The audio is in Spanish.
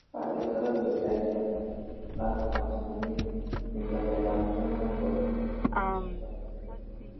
Para ver todos los detalles bastará con expandir, mediante la opción oportuna, dicha cabecera.